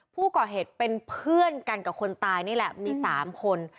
ผู้ก่อเหตุเป็นเพื่อนกันกับคนตายนี่แหละมี๓คน